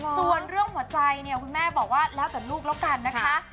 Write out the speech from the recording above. ส่วนเรื่องหัวใจเนี่ยคุณแม่บอกว่าแล้วแต่ลูกแล้วกันนะคะ